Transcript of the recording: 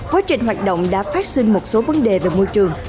quá trình hoạt động đã phát sinh một số vấn đề về môi trường